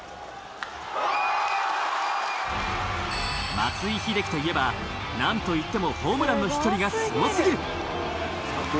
松井秀喜といえばなんといってもホームランの飛距離がすごすぎる。